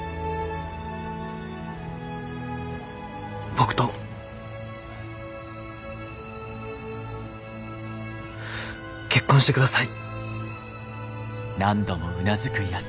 僕と結婚してください。